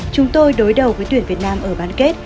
chúng tôi đối đầu với tuyển việt nam ở bán kết